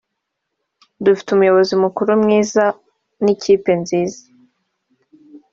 Dufite umuyobozi mukuru mwiza n’ikipe nziza